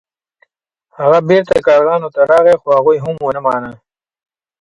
هغه بیرته کارغانو ته راغی خو هغوی هم ونه مانه.